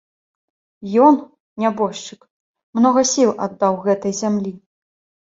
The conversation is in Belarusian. Ён, нябожчык, многа сіл аддаў гэтай зямлі.